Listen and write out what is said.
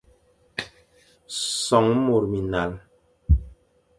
Son môr minlañ,